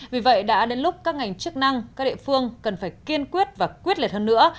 vì vậy đã đến lúc các ngành chức năng các địa phương cần phải kiên quyết và quyết liệt hơn nữa